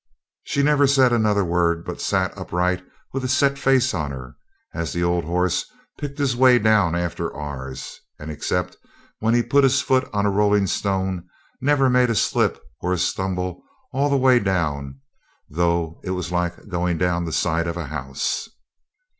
She never said another word, but sat upright with a set face on her, as the old horse picked his way down after ours, and except when he put his foot on a rolling stone, never made a slip or a stumble all the way down, though it was like going down the side of a house.